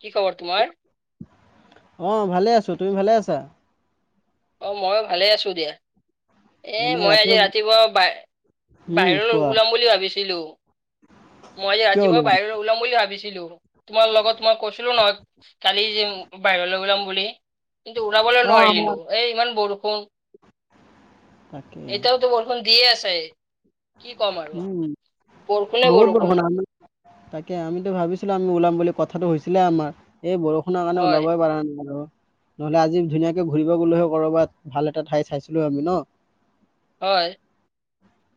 কি খবৰ তোমাৰ? আহ ভালে আছো। তুমি ভালে আছা? অ মই ভালে আছো দিয়া। এ এনে মই ৰাতি আজি ৰাতিপুৱা উম, বাহিৰলৈ কোৱা ওলাম বুলি ভাবিছিলোঁ। মই কিয় আজি ৰাতিপুৱা ওলোৱা নাই? বাহিৰলৈ ওলাম বুলি ভাবিছিলো। তোমাৰ লগত মই কৈছিলো নহয় কালি বাহিৰলৈ ওলাম বুলি। কিন্তু ওলাবলৈ অ', নোৱাৰিলো। আমাৰ ইমান বৰষুণ তাকে এতিয়াওতো বৰষুণ দিয়ে আছে। কি কম আৰু। উম, বৰষুণে বহুত বৰ বৰষুণ শুনা তাকে আমিতো ভাবিছিলো আমি ওলাম বুলি। কথাটো হৈছিলে আমাৰ, এই বৰষুণৰ কাৰণে হয় ওলাবই পৰা নাই আৰু। নহলে আজি ধুনীয়াকে ঘূৰিব গ'লে হয় কৰবাত ভাল এটা ঠাই চাইছিলো আমি ন। হয়।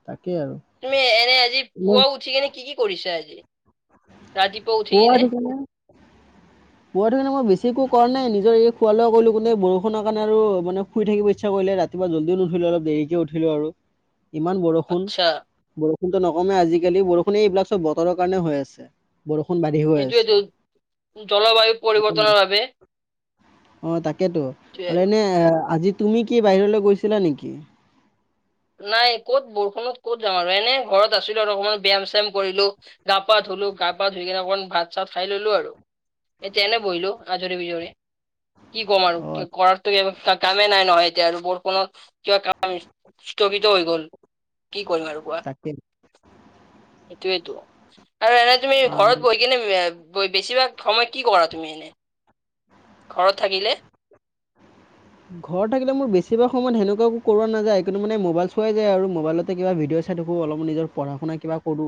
তাকেই আৰু। তুমি এনে আজি পুৱা উঠি কিনে কি কি কৰিছা আজি। ৰাতিপুৱা উঠি পুৱাৰ কিনে। ঠিকনা মই বেছি একো কৰা নাই নিজৰ এই খোৱা লোৱা কৰিলো কোনে বৰষুণৰ কাৰণে আৰু মান শুই থাকিব ইচ্ছা কৰিলে ৰাতি মই জল্দিও নুঠিলো অলপ দেৰিকে উঠিলো আৰু। ইমান বৰষুণ আচ্ছা বৰষুণতো নকমে আজিকালি বৰষুণে এইবিলাক চব বতৰৰ কাৰণে হৈ আছে। বৰষুণ বাঢ়ি গৈ আছে। বায়ু পৰিৱৰ্তনৰ বাবে। অ তাকেতো আৰু এনে আজি তুমি কি বাহিৰলৈ গৈছিলা নেকি? নাই ক'ত বৰষুণত ক'ত যাম আৰু এনে ঘৰত আছিলো আৰু অকমান ব ব্যায়াম চাম কৰিলো, গা পাত ধুলো গা পাত। ধৰি কিনে অকমান ভাত চাত খাই ললো আৰু এতিয়া এনে বহিলো আজৰি বিজৰি। কি ক'ম অ আৰু কৰাৰটো কামে নাই নহয় এতিয়া আৰু বৰষুণ কিবা কাম। স্থগিত হৈ গল কি কৰিম আৰু কোৱা? তাকে এইটোৱে। আৰু এনে তুমি আহ, ঘৰত বহি কিনে বেছিভাগ সময় কি কৰা তুমি এনে। ঘৰত থাকিলে। ঘৰত থাকিলে মোৰ বেছিভাগ সময়ত সেনেকুৱাকো কৰাৱা নাযায় কিন্তু মান মোবাইল চোৱাই যায়, আৰু মোবাইলতে কিবা ভিডিঅ। থাকো অলপ নিজৰ পঢ়া শুনা কিব কৰো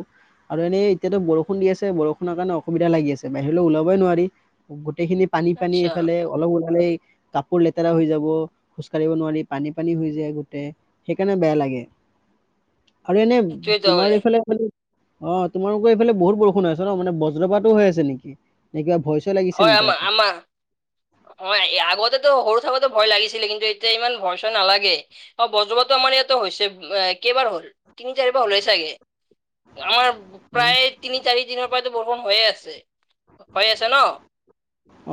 আৰু এনে এতিয়াতো বৰষুণ দি আছে বৰষুণৰ কাৰণে অসুবিধা লাগিছে। বাহিৰলৈ ওলাবই নোৱাৰি গোটেই খিনি পানী -পানী আচ্ছা এইফালে অলপ ওলালে কাপোৰ লে লেতেৰা হৈ যাব খোজ কাঢ়িব নোৱাৰি পানী- পানী হৈ যায় গোটেই সেইকাৰণে বেয়া লাগে। আৰু এনে সেইটোৱেতো তোমাৰ হয় এইফালে খ অ তোমালোকৰ এইফালে বহুত বৰষুণ আছে ন মানে বজ্ৰপাতো হৈ আছে নেকি? ন কিবা ভই নি লাগিছে নেকি আমাৰ আকৌ। আমাৰ অ আগতেতো সৰু থাকোঁতে ভয় লাগিছিলে কিন্তু এতিয়া ইমান ভয় চয় নালাগে। অ বজ্ৰপাটো আমাৰ মানে‌ ইযাত হৈছে কেইবাৰ হল তিনি চাৰিবাৰ হলে চাগে আমাৰ প্ৰায় তিনি চাৰি দিনৰ পৰাইতো বৰষুণ হৈয়ে আছে। হৈ আছে ন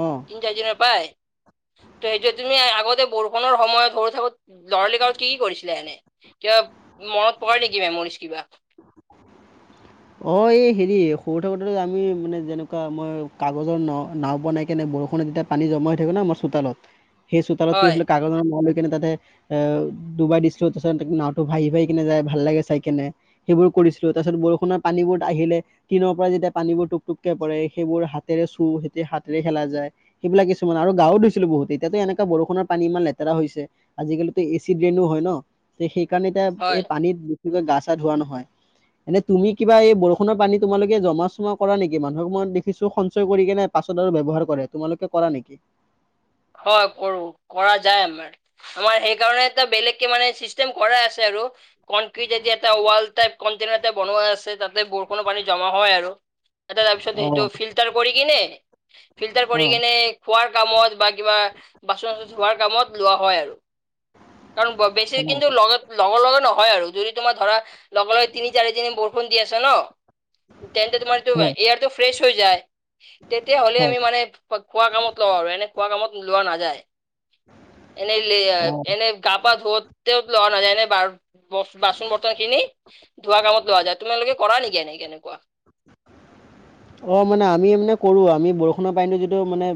অ তিন চাৰি দি। [unintelligible] ত সেইটো তুমি আগতে বৰষুণৰ সময়ত হৈ থাকো ল'ৰালি কাল কি কি কৰিছিলা এনেই। কিবা মনত পৰে নেকি মেমৰী কিবা। অ এই হেৰি সৰু থাকোঁতে আমি মানে যেনেকুৱা মই কাগজৰ নাও বনাই কিনে। বৰষুণততিয়া পানী জমা হৈ থাকে ন আমাৰ চোতালত, সেই চোতালত কি হয় হৈছিল কাগজৰ কিনো তাতে অ ডুবাই ডষ্ট্ৰিক নাটো ভাহি -ভাহি কিনে যাই ভাল লাগে চাই কেনে সেইবোৰ কৰিছিলো তাৰপছত বৰষুণত। পানীবোৰ আহিলে টিনৰ পৰা যেতিয়া পানীবোৰ টুক টুক কে পৰে সেইবোৰ হাতেৰে চুই সতি হাতেৰে খেলা যায়। সেইবিলাক কিছুমান আৰু গা ধুছিলো বহুত এতিয়াতো এনেকা বৰষুণৰ পানী ইমান লেতেৰা হৈ হৈছে আজিকালিতো এ চি কিনো হয় ন সেইকাৰণে এতিয়া হয়। এই পানীত বেছিকৈ গা চা ধোৱা নহয় এনে তুমি কিবা এই বৰষুণ পানী তোমালোকে জমা চমা কৰা নেকি মানুহক মই দেখিছোঁ সঞ্চয় কৰি কিনে নাই পাছত আৰু ব্যৱহাৰ কৰে। তোমালোকে কৰা নেকি? হয় কৰো কৰা যায় আমাৰ আমাৰ সেইকাৰণে বেলেগকে মানে চিষ্টেম কৰাই আছে। কণকৃতে দি এটা ৱাল টাইপ কণ্টেনৰ বনোৱা আছে তাতে বৰষুণ পানী জমা হয় আৰু তাৰপিছত অ সেইটো ফিল্টাৰ কৰি কিনে ফিল্টাৰ কৰি অ কিনে খোৱাৰ কামত বা কিবা বাচন চাচন ধোৱাৰ কামত লোৱা হয় আৰু কাৰণ বেছি অ কিন্তু লগ লগৰ নহয়। হয় আৰু যদি তোমাৰ ধৰা লগে তিনি চাৰি দিন বৰষুণ দি আছে ন। তেনেতে তোমাৰ হয়, এয়াৰটো ফ্ৰেছ হৈ যায়। তেতিয়া হ'লে হয়। আমি মানে খোৱা কামত লওঁ আৰু এনে খোৱা কামত লোৱা নাযায়। উম এনেই এনেই গা পা ধুতে লোৱা নাযায় এনে বাচন বৰ্তন খিনি ধোৱা কামত লোৱা যায় তোমালোকে কৰা নেকি এনেক কেনেকুৱা অ মানে আমি মানে কৰো আমি বৰষুণৰ পানীটো যিটো মানে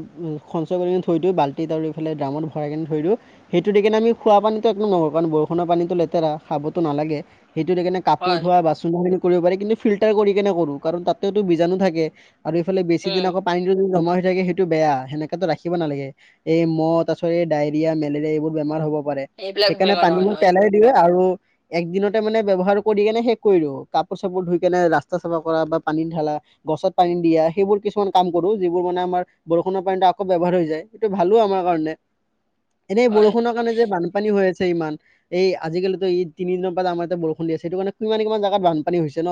সঞ্চয় কৰি থৈ দিওঁ বাল্টি ত আৰু দ্ৰামত ভৰাই কেনে ধৰি দিও সেইটো দি কিনে আমি খোৱা পানীটো একো নকৰো কাৰণ বৰষুণ পানীতো লেতেৰা খাবতো নালাগে। সেইটো দেকাৰনে কাপোৰ হয় ধোৱা বাচনখিনি কৰিব পাৰি কিন্তু ফিল্টাৰ কৰি কেনে কৰো কাৰণ তাতেতো বীজাণু থাকে। আৰু এইফালে বেছি উম দিন আকৌ পানী যদি জমা হয় সেইটো বেয়া সেনেক তো ৰাখিব নালাগে এই মহ ত আছএই ডায়ৰিয়া মেলেৰিয়া এইবোৰ বেমাৰ হ'ব। এইবিলাক সেইকাৰণে বেমাৰ হয় পানী মই হয় পেলাই দিযে আৰু একদিনতে মানে ব্যৱহাৰ কৰি কেনে শেষ কৰি ৰো কাপোৰ চাপোৰ ধুই কেনে ৰাস্তা চাফা কৰা বা পানী ঢালা গছত পানী দিয়া সেইবোৰ কিছুমান কাম কৰো যিবোৰ মানে আমাৰ বৰষুণৰ পানী আকৌ ব ব্যৱহাৰ হৈ যায় সেইটো ভালো আমাৰ কাৰণে এনেই হয় বৰষুণৰ কাৰণে যে বানপানী হৈ আছে। ইমান এই আজিকালিতো এই তিনিদিনৰ পৰা আমাৰ ইয়াত বৰষুণ দি আছে সেইটো কাৰণে কিমান কিমান জাগাত বানপানী হৈছে ন‌?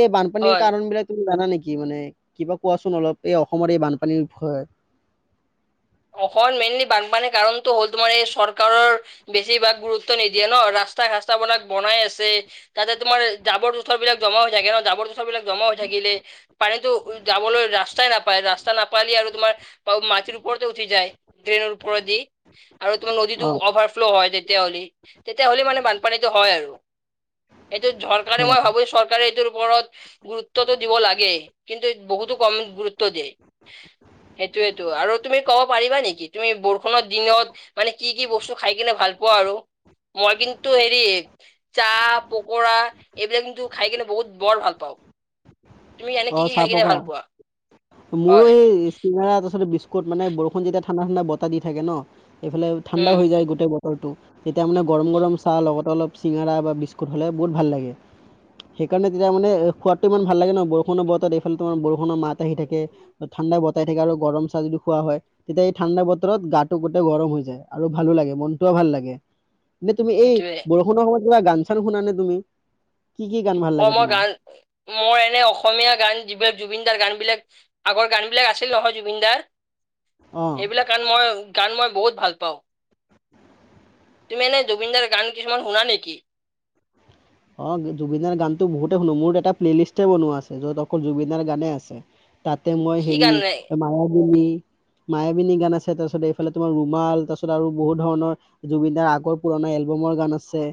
এই বানপানীৰ ক হয় কাৰণ বিলাক জানা নেকি মানে কিবা কোৱাচোন অলপ এই অসমৰ এই বানপানীৰ বিষয়ে, অসম মেইনলি বানপানীৰ কাৰণতটো হ'ল তোমাৰ এই চৰকাৰৰ বেছিভাগ গুৰুত্ব নিদিয়ে ন ৰা ৰাস্তা খাস্তা বানাক বনাই আছে তাতে তোমাৰ জাবৰ জোথৰ বিলাক জমা হৈ থাকে ন জাবৰ জোথৰ বিলাক জমা হৈ থাকে। লাগিলে পানীতটো যাবলৈ ৰাস্তাই নাপায় ৰাস্তা নাপালে আৰু তোমাৰ মাটিৰ ওপৰতে উঠি যায় ড্ৰেইনৰ ওপৰত দি আৰু তোমাৰ নদীতটো অ অভাৰফ্ল' হয় তে, তেতিয়া হ'লে তেতিয়া হ'লে মানে বানপানীতটো হয় আৰু এইটো চৰকাৰে হয় মই ভাবো চৰকাৰে এইটো। ওপৰত গুৰুত্বটো দিব লাগে কিন্তু বহুতো কম গুৰুত্ব দিয়ে‌। সেইটোয়েতো আৰু তুমি ক'ব পাৰিবা নেকি তুমি বৰষুণৰ দিনত মানে কি কি বস্তু খাই কিনে ভাল পোৱা আৰু মৰগিন‌‌ টো হেৰি, চাহ পকৰা এইবিলাক কিন্তু খাই কিনে বহুত বৰ ভাল পাওঁ তুমি এনে অ কি কি চাহ খাই কিনে পকৰা ভাল পোৱা। মোৰো হয় এই চিঙৰা তাচত বিস্কুট মানে বৰষুণ যেতিয়া ঠাণ্ডা ঠাণ্ডা বতাহ দি থাকে ন এইফালে ঠাণ্ডা উম হৈ যায় গোটেই ব তেতিয়া মানে গৰম গৰম চাহ লগতে অলপ চিঙৰা বা বিস্কুট হ'লে বহুত ভাল লাগে। সেইকাৰণে তেতিয়া মানে খোৱাতটো ইমান ভাল লাগে ন বৰষুণৰ বতৰ এইফালে তোমাৰ বৰষুণৰ মাত। আহি থাকে ঠাণ্ডা বতাই থাকে আৰু গৰম চাহ যদি খোৱা হয় তেতিয়া এই ঠাণ্ডা বতৰত গাটো গোটেই গৰম হৈ আৰু ভালো লাগে মনটোও ভাল লাগে। নে তুমি এই সেইটোয়ে বৰষুণৰ সময়ত কিবা গান চান শুনা নে তুমি? কি কি গান ভাল অ লাগে মই তোমাৰ গান মই এনে অসমীয়া গান যিবিলাক জুবিনদাৰ গান। বিলাক আগৰ গান বিলাক আছিল নহয় জুবিন দাৰ অ সেইবিলাক গান মই। গান মই বহুত ভাল পাওঁ। তুমি এনেই জুবিনদাৰ গান কিছুমান শুনা নেকি? অ জুবিনৰ গানতো বহুতে শুনো মোৰ এটা প্লে' লিষ্টে বনোৱা আছে য'ত অকল জুবিনৰ গানেই আছে তাতে মই কি কি হেৰি গান মায়াবিনী মায়াবিনী গান আছে তাৰপিছত এইফালে তোমাৰ ৰুমাল তাৰপিছত আৰু বহুত ধৰণৰ জুবিন দাৰ আগৰ পুৰণা তোমাৰ এলবামৰ গান আছে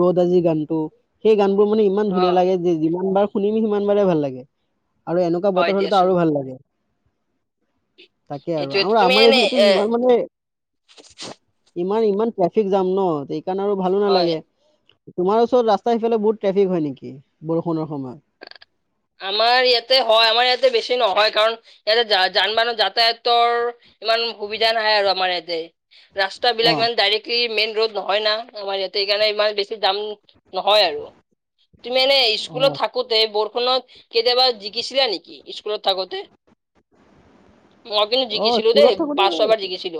ৰদ আজি গানটো সেই গান বোৰ মানে ইমান অ ধুনীয়া লাগে যে যিমান বাৰ শুনিমি সিমান বাৰে ভাল লাগে। আৰু এনেকুৱা হয় বতৰ হ'লেতো দিয়াচোন আৰু ভাল লাগে তাকে এইটোয়ে আৰু তুমি আমাৰ এনে এইফালতো এ যিমান মানে ইমান ইমান ট্ৰেফিক জাম ন সেইকাৰণে আৰু ভালো হয় নালাগে তোমাৰ ওচৰত ৰাস্তা সিফালে বহুত ট্ৰেফিক হয় নেকি বৰষুণৰ সময়ত? আমাৰ ইয়াতে হয় আমাৰ ইয়াতে বেছি নহয়। কাৰণ ইয়াতে যান বাহ যাতায়াতৰ ইমান সুবিধা নাই আৰু আমাৰ ইয়াতে অ ৰাস্তাবিলাক ইমান ডাইৰেক্টলি মেইন ৰোড নহয় না আমাৰ ইয়াতে সেইকাৰণে ইমান বেছি জাম নহয় আৰু তুমি এনে অ স্কুলত থাকোতে বৰষুণত কেতিয়াবা ভিজিছিলা নেকি স্কুলত থাকোতে? মই কিন্তু অ ভিজিছিলো দেই স্কুলত থাকোতে পাঁচ ছয় বাৰ ভিজিছিলো।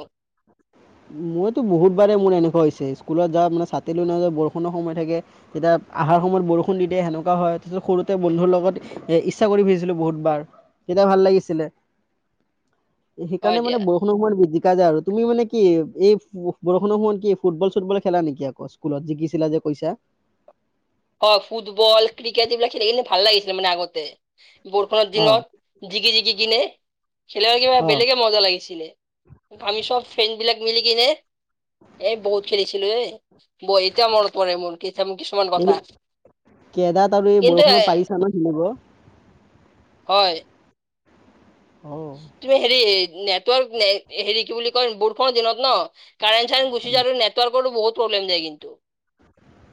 মইতো বহুত বাৰে মোৰ এনেকুৱা হৈছে স্কুলত যাওঁ মানে ছাতিলো নাযাওঁ বৰষুণৰ সময় থাকে তেতিয়া আহাৰ সময়ত বৰষুণ দি দিয়ে সেনেকুৱা হয় তাছত সৰুতে বন্ধুৰ লগত এ ইচ্ছা কৰি ভিজিছিলো বহুতবাৰ তেতিয়া ভাল লাগিছিলে হয় সেইকাৰণে মানে দিয়া বৰষুণৰ সময়ত ভিকা যায় আৰু তুমি মানে কি এই বৰষুণৰ সময়ত কি ফুটবল চুটবল খেলা নেকি আকৌ স্কুলত ভিজিছিলা যে কৈছা? [unintelligible] হয় ফুটবল ক্ৰিকেট এইবিলাক খেলি খেলি ভাল লাগিছিলে মানে আগতে বৰষুণৰ অ দিনত জিকি জিকি কিনে খেলিবলৈ কিবা অ বেলেগে মজা লাগিছিলে আমি চব ফ্ৰেণ্ড বিলাক মিলি কিনে এ বহুত খেলিছিলো এ ব এতিয়া মনত পৰে মোৰ কিছুমান কথা কেডাত আৰু এই কিন্তু এ বৰষুণত পাৰিছা ন খেলিব? হয় অ তুমি হেৰি নেটৱৰ্ক এ হেৰি কি বুলি কয় বৰষুণৰ দিনত ন কাৰেণ্ট চাৰেণ্ট গুচি যোৱাটো আৰু নেটৱৰ্কৰ বহুত প্ৰব্লেম যায় কিন্তু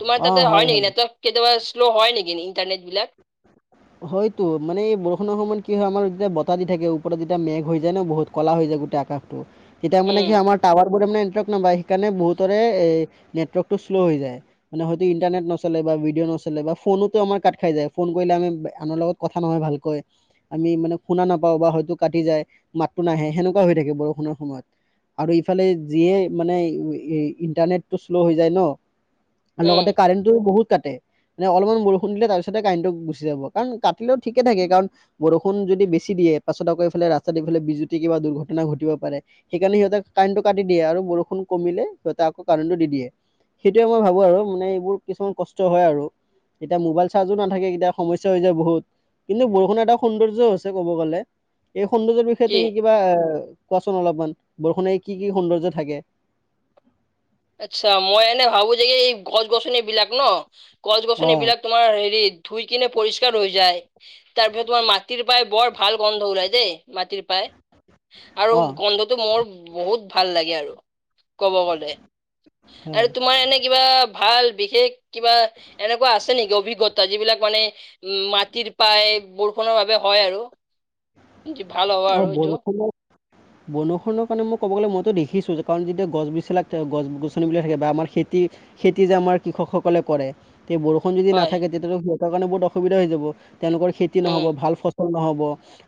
তোমাৰ তাতে হয় নেকি ন কেতিয়াবা শ্ল' হয় নেকি ইণ্টাৰনেট বিলাক। হয়টো মানে এই বৰষুণৰ সময়ত কি হয় আমাৰ যেতিয়া বতাহ দি থাকে ওপৰত যেতিয়া মেঘ হৈ যায় ন বহুত ক'লা হৈ যায় গোটা আকাশটো তেতিয়া মানে উম সেই টাৱাৰ মোৰ মানে নেটৱৰ্ক নাপাই হেইকানে বহুতৰে নেটৱৰ্ক টো শ্লোৱ হৈ যায় ভিডিঅ নচলে বা ফোনোতো আমাৰ কাট খাই যায় ফোন কৰিলে আমি আনৰ লগত কথা নহয় ভালকৈ আমি মানে শুনা নাপাও বা হয়তো কাটি যায় মাতটো নাহে সেনেকুৱা হয়। হৈ থাকে বৰষুণৰ সময়ত আৰু ইফালে যিয়ে মানে ইন্টাৰনেটটো শ্ল' হৈ যায় ন আৰু উম লগতে কাৰেণ্টটো বহুত কাটে মানে অলপমান বৰষুণ দিলে তাৰপিছতে কাৰেণ্টটো গুচি যাব কাৰণ কাটিলেও ঠিকে থাকে কাৰণ বৰষুণ যদি বেছি‌ দিয়ে পাছত আকৌ এইফালে ৰাস্তাত ইফাল বিজুতি কিবা দুৰ্ঘটনা, ঘটিব পাৰে সেইকাৰণে সিহঁতে কাৰেণ্টটো কাটি দিয়ে আৰু বৰষুণ কমিলে সিহঁতে আকৌ কাৰেণ্টটো দি দিয়ে সেইটোৱে মই ভাবো আৰু মানে এইবোৰ কিছুমান কষ্ট হয় আৰু এতিয়া মোবাইল চাৰ্জো নাথাকে এতিয়া সমস্যা হৈ যায় বহুত কিন্তু বৰষুণ এটা সৌন্দৰ্য হৈছে ক'ব গ'লে এই সৌন্দৰ্যৰ বিষয়ে কি তুমি কিবা কোৱাচোন অলপমান বৰষুণে কি কি সৌন্দৰ্য থাকে? আচ্ছা মই এনে ভাবো যে যে এই গছ গছনি বিলাক ন গছ অ গছনিবিলাক তোমাৰ হেৰি ধুই কিনে পৰিষ্কাৰ হৈ যায় তাৰ পিছত তোমাৰ মাটিৰ পাই বৰ ভাল গন্ধ ওলাই দেই মাটিৰ পাই। আৰু অ গন্ধটো মোৰ বহুত ভাল লাগে আৰু কব গলে হয় আৰু তোমাৰ এনে কিবা ভাল বিশেষ কিবা এনেকুৱা আছে নেকি অভিজ্ঞতা যিবিলাক মানে উম মাটিৰ পায় বৰষুণ বৰষুণ বাবে হয় আৰু [inaudible] ভাল হ'ব অহ, আৰু এইটো বৰষুণত -বনষুণৰ কাৰণে মোক ক'ব গ'লে ম টো দেখিছোঁ কাৰণ যেতিয়া গছ বেছি লাক গছ -গছনিবিলাক থাকে বা আমাৰ খেতি- খেতি যে আমাৰ কৃষকসকলে কৰে সেই বৰষুণ যদি হয় নাথাকে তেতিয়াহ'লে সিহঁতৰ কাৰণে বহুত অসুবিধা হৈ যাব তেওঁলোকৰ খেতি নহ'ব উম ভাল ফচ নহব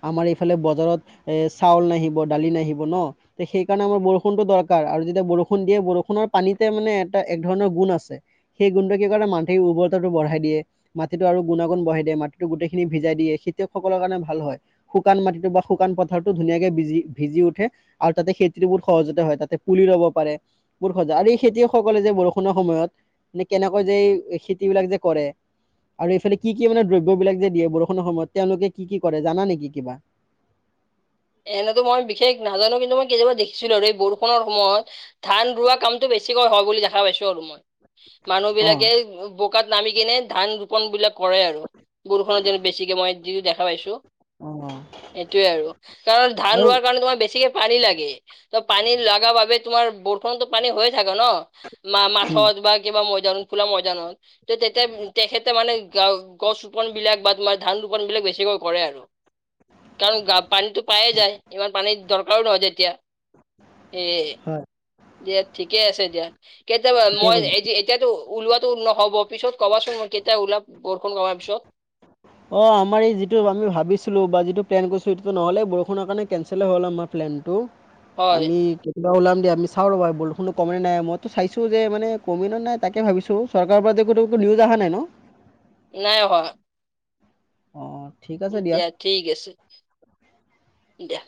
আমাৰ এইফালে ব বতৰত এ' চাউল নাহিব দালি নাহিব ন 'সেই কাৰণে আমাৰ বৰষুণটো দৰকাৰ আৰু যেতিয়া বৰষুণ দিয়ে বৰষুণৰ পানীতে মানে এটা এক ধৰণৰ গুণ আছে সেই গুণটো কি কৰে মাটিৰ উৰ্বৰতাটো বঢ়াই দিয়ে। মাটিটো আৰু গুণাগুণ বঢ়াই দিয়ে মাটিতো গোটেইখিনি ভিজাই দিয়ে খেতিয়কসকলৰ কাৰণে ভাল হয় শুকান মাটিটো বা শুকান পথাৰতটো ধুনীয়াকে বিজী -ভিজি উঠে আৰু তাতে খেতি বৰ সহজতে হয় তাতে পুলি ৰব পাৰে। বহোৰ সজা আৰু এই খেতিয়কসকলে যে বৰষুণৰ সময়ত নে কেনেকৈ যে খেতি বিলাক যে কৰে আৰু এইফালে কি- কি মানে দ্ৰব্যবলাক যে দিয়ে বৰষুণৰ সময়ত তেওঁলোকে কি- কি কৰে জানা নেকি কিবা? এনেতো মই বিশেষ নাজানো কিন্তু মই কেতিয়াবা দেখি ছিলো আৰু এই বৰষুণৰ সময়ত ধান- ৰোৱা কামটো বেছিকৈ হয় বুলি দেখা পাইছো আৰু মই। মানুহ অ বিলাকে বোকাত নামি কিনে ধান ৰোপন বিলাক কৰে আৰু বৰষুণত যেন বেছিকে মই যিতো দেখা পাইছো। অ সেইটোয়ে আৰু কাৰণ ধান আৰু ৰোৱাৰ কাৰণে তোমাৰ বেছিকে পানী লাগে। ত'পানী লাগা বাবে তোমাৰ বৰষুণতো পানী হৈ থাকে ন'ম উম মাথত বা কিবা ম খোলা ময়দানত ত' তেতিয়া তেখেতে মানে গছ ৰুপান বিলাক বা তোমাৰ ধান ৰোপণ বিলাক বেছিকৈ কৰে আৰু কাৰণ পানীটো পায়ে যায় ইমান পানীৰ দৰকাৰো নহয় যেতিয়া সেয়ে হয় দিয়া ঠিকে আছে দিয়া কেতিয়াবা ঠিকে মই কৈছা। এইজি এতিয়াতো ওলোৱাতো নহ'ব পিছত কবাচোন কেতিয়া ওলাম বৰষুণ কমাৰ পিছত। অহ, আমাৰ এই যিটো আমি ভাবিছিলো বা যিটো প্লেন কৰিছোঁ সেইটো নহ'লে বৰষুণৰ কাৰণে কেনচলেই হ'ল আমাৰ প্লেনটো হয় আমি বাৰু ওলাম দিয়া আমি চাওঁ ৰবা বৰষুণো কমে নে নাই মই লতো চাইছো যে মানে কমে নে নাই তাকে ভাবিছো চৰকাৰৰ পৰা একোটো একো নিউজ আহা নাই ন'? নাই অহা। অহ দিয়া ঠিক আছে দিয়া।